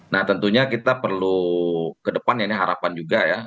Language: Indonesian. nah tentunya kita perlu ke depan ya ini harapan juga ya